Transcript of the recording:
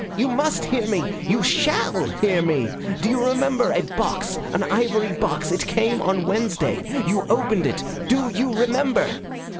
"You must hear me. You SHALL hear me. Do you remember a box an ivory box? It came on Wednesday. You opened it do you remember?"